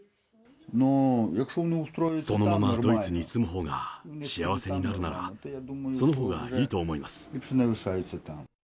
そのままドイツに住むほうが幸せになるなら、そのほうがいいと思います。